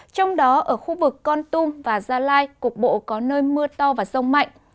trong đó ở khu vực con tum và gia lai cục bộ có nơi mưa to và rông mạnh